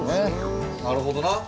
なるほどな。